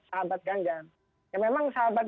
sahabat ganjar ya memang sahabat